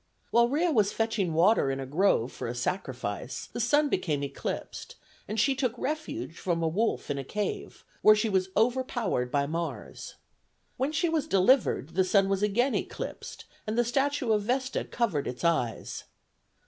While Rea was fetching water in a grove for a sacrifice the sun became eclipsed, and she took refuge from a wolf in a cave, where she was overpowered by Mars. When she was delivered, the sun was again eclipsed and the statue of Vesta covered its eyes.